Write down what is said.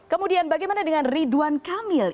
kemudian bagaimana dengan ridwan kamil